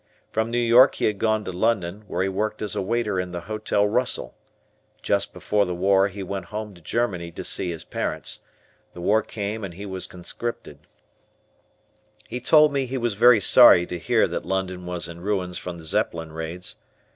From New York he had gone to London, where he worked as a waiter in the Hotel Russell. Just before the war he went home to Germany to see his parents, the war came and he was conscripted. {Photo: The Author.} He told me he was very sorry to hear that London was in ruins from the Zeppelin raids.